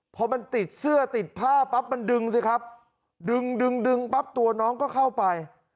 พอมันติดเสื้อติดผ้าปั๊บมันดึงสิครับดึงดึงดึงปั๊บตัวน้องก็เข้าไป